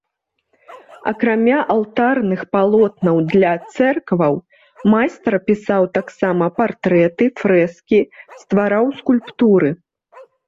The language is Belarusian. Акрамя алтарных палотнаў для цэркваў, майстар пісаў таксама партрэты, фрэскі, ствараў скульптуры.